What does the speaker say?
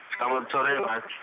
selamat sore mas